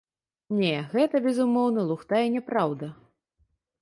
Не, гэта безумоўна лухта і няпраўда.